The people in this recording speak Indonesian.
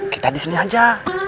kita di sini saja